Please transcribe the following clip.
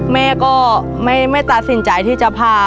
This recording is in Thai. แม่ก็ไม่ตัดสินใจที่จะพา